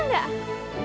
liat raka gak